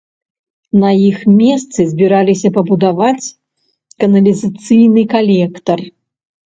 На іх месцы збіраліся пабудаваць каналізацыйны калектар.